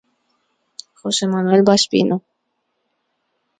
Jose Manuel Baspino.